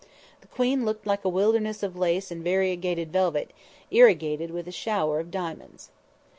The Queen looked like a wilderness of lace and variegated velvet, irrigated with a shower of diamonds.